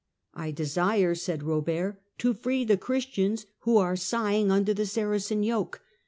" I desire," said Kobert, " to free the Christians who are sighing under the Saracen yoke.